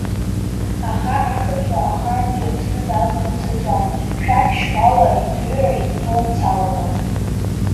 Аха ақырҭуа ахаангьы Аԥсны далҵны дцаӡом, шәақь шьхәала иҭыҩрахь дҭоумцалакәа.